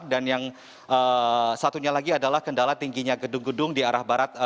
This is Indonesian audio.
dan yang satunya lagi adalah kendala tingginya gedung gedung di arah barat